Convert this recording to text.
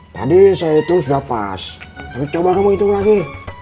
tadi saya hitung sudah pas coba kamu hitung lagi